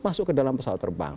masuk ke dalam pesawat terbang